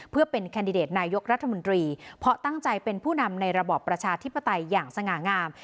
เพื่อเป็นแคนดิเดตนายกรัฐมนตรีเพราะตั้งใจเป็นผู้นำในระบอบประชาธิปไตยอย่างสง่างาม